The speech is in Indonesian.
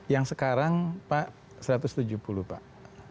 yang sekarang pak satu ratus tujuh puluh pak